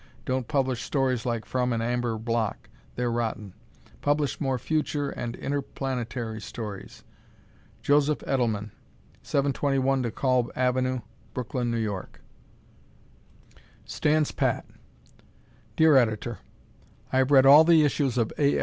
Don't publish stories like "From an Amber Block." They're rotten. Publish more future and interplanetary stories. Joseph Edelman, 721 De Kalb Ave., Brooklyn, N. Y. Stands Pat Dear Editor: I have read all the issues of A.